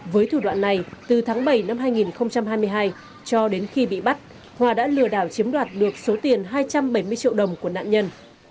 với thủ đoạn này từ tháng bảy năm hai nghìn hai mươi hai cho đến khi bị bắt hòa đã lừa đảo chiếm đoạt được số tiền hai trăm bảy mươi triệu đồng của nạn nhân